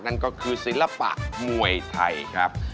นั่นก็คือศิลปะมวยไทยครับ